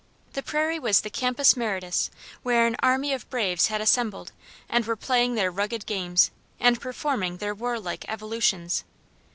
The prairie was the campus martius where an army of braves had assembled, and were playing their rugged games and performing their warlike evolutions.